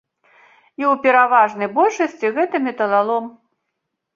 І ў пераважанай большасці гэта металалом.